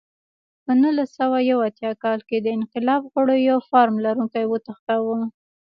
په نولس سوه یو اتیا کال کې د انقلاب غړو یو فارم لرونکی وتښتاوه.